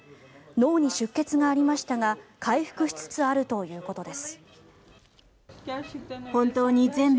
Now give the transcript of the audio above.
脳に出血がありましたが回復しつつあるということです。